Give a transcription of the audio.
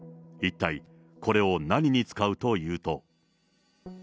一体これを何に使うというと。